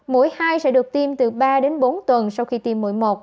mỗi hai sẽ được tiêm từ ba đến bốn tuần sau khi tiêm mỗi một